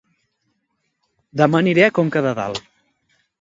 Dema aniré a Conca de Dalt